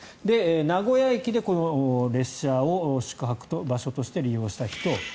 名古屋駅でこの列車を宿泊場所として利用した人。